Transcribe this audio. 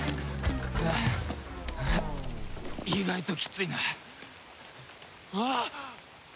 意外ときついなあっ！